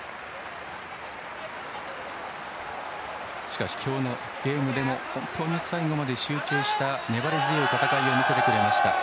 しかし今日のゲームでも本当に最後まで集中した粘り強い戦いを見せてくれました。